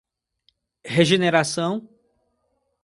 Regeneração